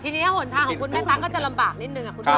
ที่นี่ถ้าห่วงทางของคุณแม่ตราก็จะลำบากนิดหนึ่งข้า